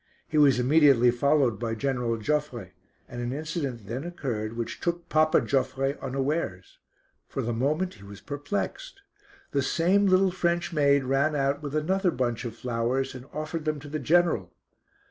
He was immediately followed by General Joffre, and an incident then occurred which took "Papa" Joffre unawares. For the moment he was perplexed. The same little French maid ran out with another bunch of flowers and offered them to the General.